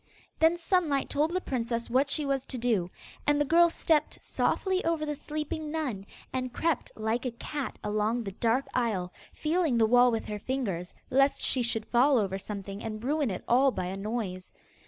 Then Sunlight told the princess what she was to do, and the girl stepped softly over the sleeping nun, and crept like a cat along the dark aisle, feeling the wall with her fingers, lest she should fall over something and ruin it all by a noise.